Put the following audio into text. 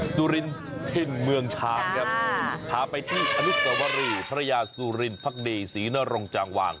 สุรินถิ่นเมืองช้างครับพาไปที่อนุสวรีพระยาสุรินพักดีศรีนรงจางวาง